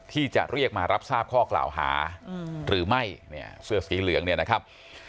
ที่จะเรียกมารับทราบข้อกล่าวหาหรือไม่เนี่ยเสื้อสีเหลืองเนี่ยนะครับ